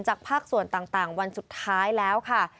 ภาคส่วนต่างวันสุดท้ายแล้วค่ะ